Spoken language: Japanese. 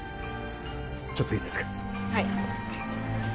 ちょっといいですか？